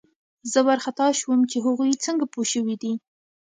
زه وارخطا شوم چې هغوی څنګه پوه شوي دي